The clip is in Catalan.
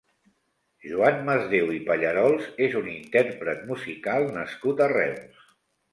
Joan Masdéu i Pallarols és un intérpret musical nascut a Reus.